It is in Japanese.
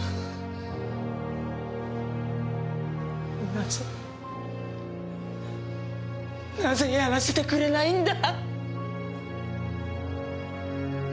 なぜなぜやらせてくれないんだ！